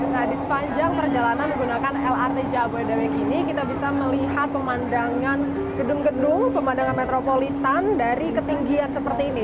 nah di sepanjang perjalanan menggunakan lrt jabodetabek ini kita bisa melihat pemandangan gedung gedung pemandangan metropolitan dari ketinggian seperti ini